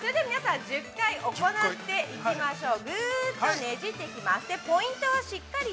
それでは皆さん、１０回行っていきましょう。